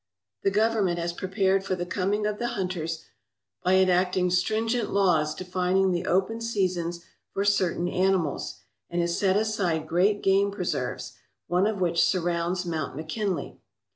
The Government has prepared for the coming of the hunters by enacting stringent laws defining the open seasons for certain animals, and has set aside great game preserves, one of which surrounds Mount McKinley.